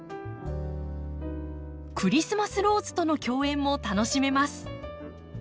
クリスマスローズとの競演も楽しめます。